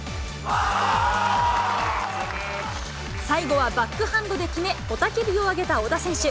最後はバックハンドで決め、雄たけびを上げた小田選手。